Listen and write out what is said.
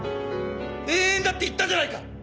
永遠だって言ったじゃないか。